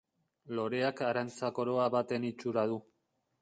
Loreak arantza-koroa baten itxura du.